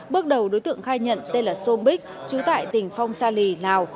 bước đầu đối tượng khai nhận tên là sô bích trú tại tỉnh phong sa lì lào